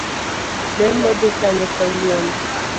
Lemo dhi kanye kawuono.